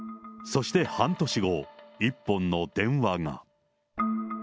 そして半年後、１本の電話が。